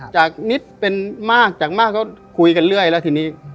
จากนิดเป็นมากจากมากก็คุยกันเรื่อยแล้วทีนี้